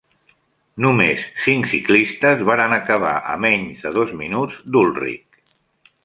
Només cinc ciclistes van acabar a menys de dos minuts d'Ulrich.